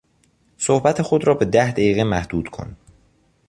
صحبت خود را به ده دقیقه محدود کن.